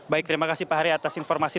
baik terima kasih pak hari atas informasi